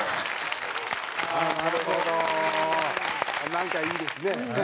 なんかいいですね。